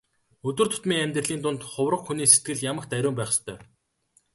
Өдөр тутмын амьдралын дунд хувраг хүний сэтгэл ямагт ариун байх ёстой.